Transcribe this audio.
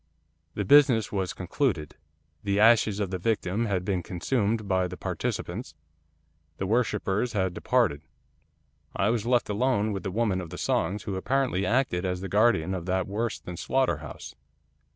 The business was concluded. The ashes of the victim had been consumed by the participants. The worshippers had departed. I was left alone with the woman of the songs, who apparently acted as the guardian of that worse than slaughterhouse.